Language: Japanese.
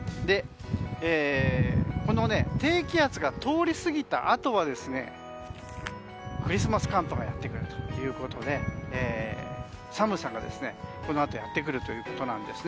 この低気圧が通り過ぎたあとはクリスマス寒波がやってくるということで寒さが、このあとやってくるということですね。